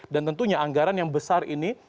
dan tentunya anggaran yang besar ini